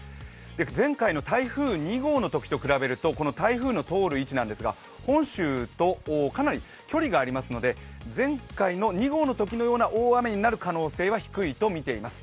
前回の台風２号のときと比べると台風の通る位置なんですが本州とかなり距離がありますので、前回の２号のときのような大雨になる可能性は低いと見ています。